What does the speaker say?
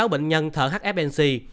một mươi sáu bệnh nhân thở hfnc